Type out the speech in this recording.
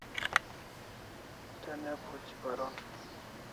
Te ne phuchi paron